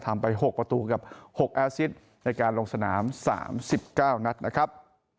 ทำไป๖ประตูกับ๖อาซิตในการลงสนาม๓๙นัดนะครับ